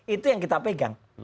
itu yang kita pegang